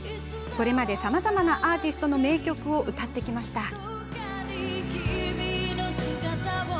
これまでさまざまなアーディストの名曲を歌ってきました。